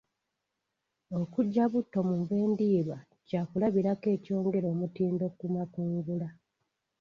Okuggya butto mu nva endiirwa kyakulabirako ky'okwongera omutindo ku makungula.